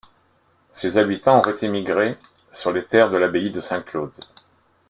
Ses habitants auraient émigré sur les terres de l'abbaye de Saint-Claude.